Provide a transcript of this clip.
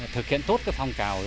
thực hiện tốt phong trào